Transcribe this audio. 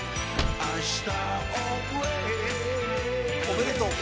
おめでとう。